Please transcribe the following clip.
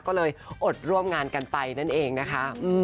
ก็เลยอดร่วมงานกันไปนั่นเองนะคะ